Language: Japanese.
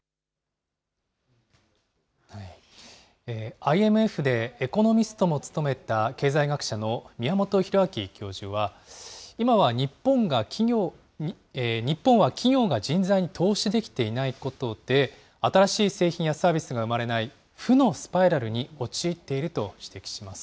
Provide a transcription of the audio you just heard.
ＩＭＦで、エコノミストも務めた経済学者の宮本弘曉教授は、今は日本は企業が投資できていないことで、新しい製品やサービスが生まれない、負のスパイラルに陥っていると指摘します。